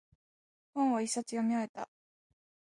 本を一冊読み終えた。